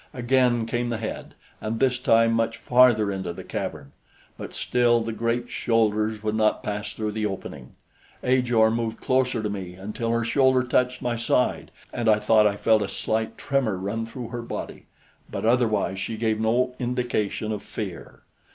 Again came the head, and this time much farther into the cavern; but still the great shoulders would not pass through the opening. Ajor moved closer to me until her shoulder touched my side, and I thought I felt a slight tremor run through her body, but otherwise she gave no indication of fear.